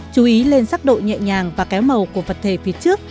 chú ý lên sắc độ nhẹ nhàng và kéo màu của vật thể phía trước